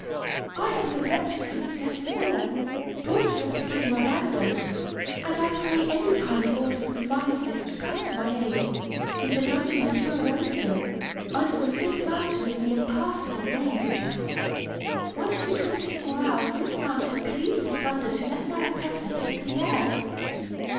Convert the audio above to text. I am the wretched Princess Sybilla, daughter of the King Rolando, and I pray any kind mortal who finds this to come to my aid, in the dungeon of Furioso, under the fifth mountain of the Impassable Range. Once in twenty four hours this mountain cleaves asunder to let my oppressor take the air.